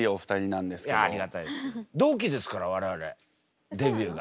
同期ですから我々デビューが。